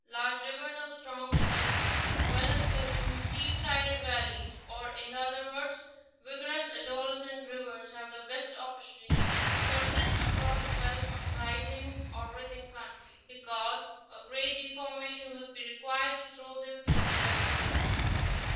Large rivers of strong slope, well enclosed in steep sided valleys, or in other words vig orous adolescent rivers have the best opportunity to persist across a belt of rising or writhing country,* because a great deformation would be required to throw them from their courses.